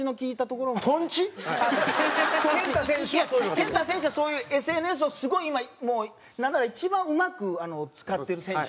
ＫＥＮＴＡ選手はそういうＳＮＳをすごい今もうなんなら一番うまく使ってる選手。